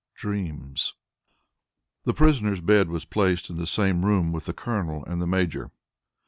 DREAMS The prisoner's bed was placed in the same room with the Colonel and the Major.